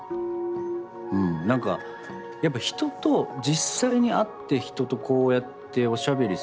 うんなんかやっぱ人と実際に会って人とこうやっておしゃべりすると